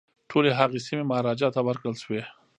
ټولي هغه سیمي مهاراجا ته ورکړل شوې.